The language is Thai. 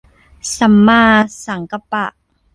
สัมมาสังกัปปะ